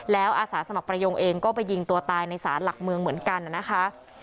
แล้วอาสาสมัครประยงเองก็ไปยิงตัวตายในศาลหลักเมืองเหมือนกันนะคะ